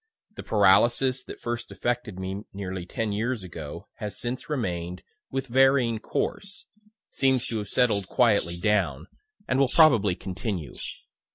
The paralysis that first affected me nearly ten years ago, has since remain'd, with varying course seems to have settled quietly down, and will probably continue.